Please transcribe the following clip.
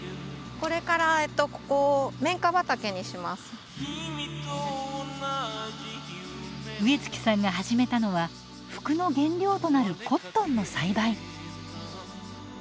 これから植月さんが始めたのは服の原料となるコットンの栽培。